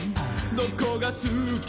どこがすき？」